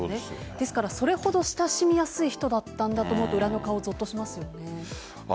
ですからそれほど親しみやすい人だったんだと思うと裏の顔は、ぞっとしますよね。